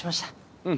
うん。